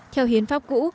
theo hiến pháp cũ